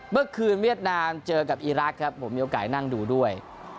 เวียดนามเจอกับอีรักษ์ครับผมมีโอกาสนั่งดูด้วย